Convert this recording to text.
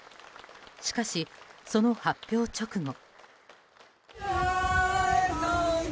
しかし、その発表直後。